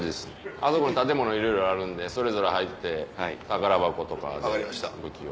あそこに建物いろいろあるんでそれぞれ入って宝箱とか武器を。